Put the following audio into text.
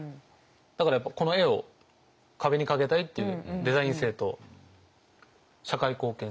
だからやっぱこの絵を壁に掛けたいっていうデザイン性と社会貢献性。